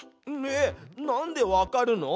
えっなんでわかるの？